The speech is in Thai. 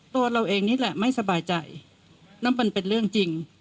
ตัวเราเองนี่แหละไม่สบายใจนั่นมันเป็นเรื่องจริง